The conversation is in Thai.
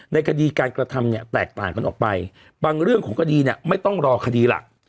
ในคดีการกระทำเนี่ยแตกต่างกันออกไปบางเรื่องของคดีเนี่ยไม่ต้องรอคดีหลัก